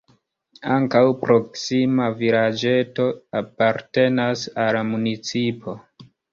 Ankaŭ proksima vilaĝeto apartenas al la municipo.